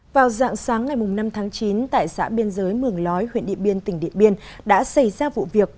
vào dạng sáng ngày năm tháng chín tại xã biên giới mường lói huyện điện biên tỉnh điện biên đã xảy ra vụ việc